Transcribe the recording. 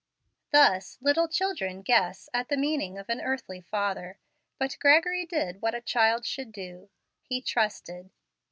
Thus little children guess at the meaning of an earthly father, but Gregory did what a child should he trusted.